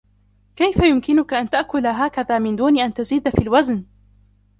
كيف يمكنك أن تأكل هكذا، من دون أن تزيد في الوزن؟